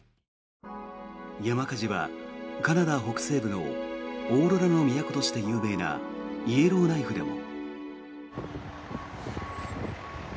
山火事は、カナダ北西部のオーロラの都として有名なイエローナイフでも。